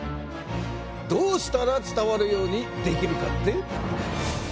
どうしたら伝わるようにできるかって？